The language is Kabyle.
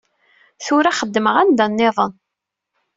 Tura xeddmeɣ anda nniḍen.